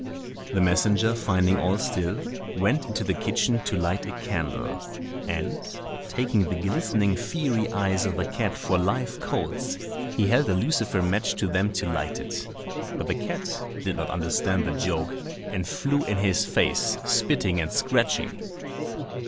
The messenger finding all still, went into the kitchen to light a candle, and, taking the glistening fiery eyes of the cat for live coals, he held a lucifer match to them to light it. But the cat did not understand the joke, and flew in his face, spitting and scratching.